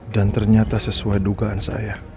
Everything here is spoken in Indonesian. dan ternyata sesuai dugaan saya